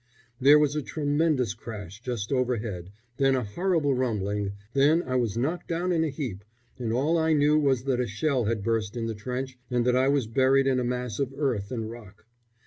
There was a tremendous crash just overhead, then a horrible rumbling, then I was knocked down in a heap, and all I knew was that a shell had burst in the trench and that I was buried in a mass of earth and rock.